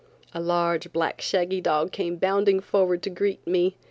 A large, black shaggy dog came bounding forward to greet me.